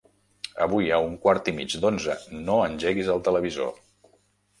Avui a un quart i mig d'onze no engeguis el televisor.